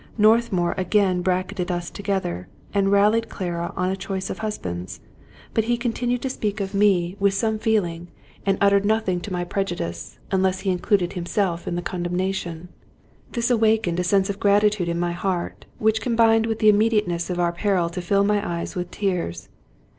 North mour again bracketed us together, and rallied Clara on a choice of husbands ; but he continued to speak of me with 198 Robert Louis Stevenson some feeling, and uttered nothing to my prejudice unless he included himself in the condemnation. This awakened a sense of gratitude in my heart, which combined with the immediateness of our peril to fill my eyes with tears.